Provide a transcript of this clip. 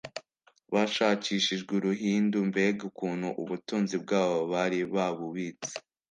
Bashakishijwe uruhindu mbega ukuntu ubutunzi bwabo bari babubitse